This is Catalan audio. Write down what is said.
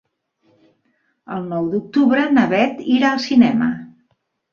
El nou d'octubre na Bet irà al cinema.